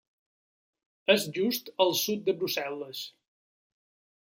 És just al sud de Brussel·les.